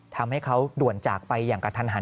ทำให้เขาด่วนจากไปอย่างกระทันหัน